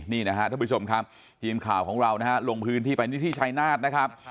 นี่นะครับท่านผู้ชมครับทีมข่าวของเรานะฮะลงพื้นที่ไปนี่ที่ชายนาฏนะครับ